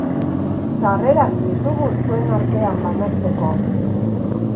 Sarrerak ditugu zuen artean banatzeko.